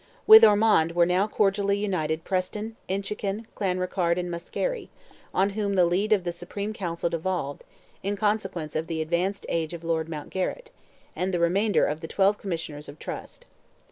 With Ormond were now cordially united Preston, Inchiquin, Clanrickarde, and Muskerry, on whom the lead of the Supreme Council devolved, in consequence of the advanced age of Lord Mountgarrett, and the remainder of the twelve Commissioners of Trust.